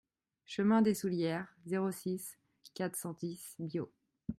Chemin des Soullieres, zéro six, quatre cent dix Biot